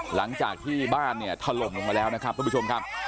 หลังจากที่บ้านเนี่ยถล่มลงมาแล้วนะครับทุกผู้ชมครับ